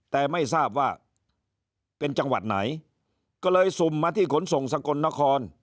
แต่ไม่ทราบว่าเป็นจังหวัดไหนก็เลยสุ่มมาที่ขนส่งสกลนคร